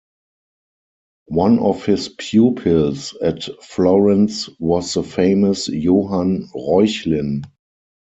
One of his pupils at Florence was the famous Johann Reuchlin.